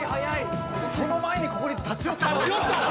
その前にここに立ち寄った？